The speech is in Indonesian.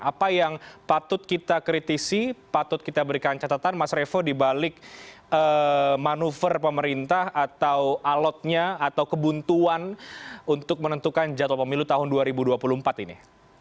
apa yang patut kita kritisi patut kita berikan catatan mas revo dibalik manuver pemerintah atau alotnya atau kebuntuan untuk menentukan jadwal pemilu tahun dua ribu dua puluh empat ini